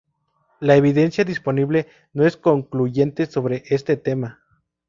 La evidencia disponible no es concluyente sobre este tema.